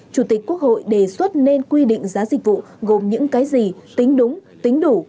chủ tịch quốc hội đề xuất nên quy định giá dịch vụ gồm những cái gì tính đúng tính đủ